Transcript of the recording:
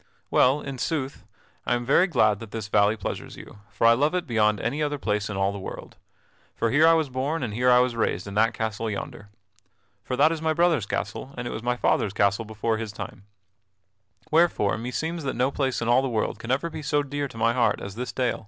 "Well, in sooth, I am very glad that this valley pleasures you; for I love it beyond any other place in all the world. For here was I born and here was I raised in that castle yonder. For that is my brother's castle and it was my father's castle before his time; wherefore meseems that no place in all the world can ever be so dear to my heart as this dale."